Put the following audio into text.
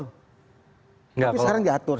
tapi sekarang diatur